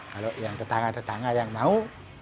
kalau yang tetangga tetangga yang mau